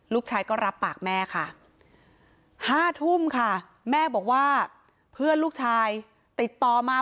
ลูกชายก็รับปากแม่ค่ะ๕ทุ่มค่ะแม่บอกว่าเพื่อนลูกชายติดต่อมา